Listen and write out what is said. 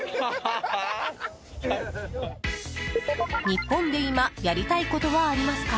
日本で今やりたいことは、ありますか？